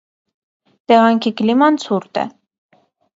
Տեղանքի կլիման ցուրտ է։